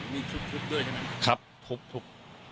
มีทุกด้วยใช่ไหมครับครับทุก